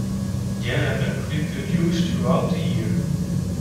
Gerenuk reproduce throughout the year.